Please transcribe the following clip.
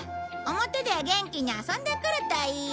表で元気に遊んでくるといいよ。